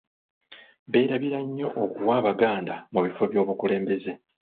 Beerabira nnyo okuwa Abaganda mu bifo byobukulembeze.